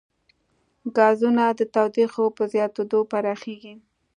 ګازونه د تودوخې په زیاتېدو پراخېږي.